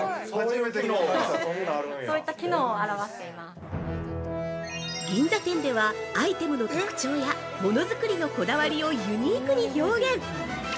◆銀座店ではアイテムの特徴やものづくりのこだわりをユニークに表現。